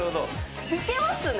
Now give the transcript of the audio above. いけますね。